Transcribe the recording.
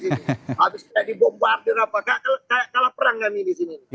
habis saya dibombardir apa kayak kalah perang kami di sini